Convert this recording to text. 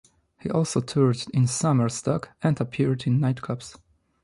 He also toured in summer stock and appeared in nightclubs.